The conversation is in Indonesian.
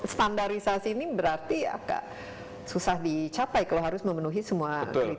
standarisasi ini berarti agak susah dicapai kalau harus memenuhi semua regulasi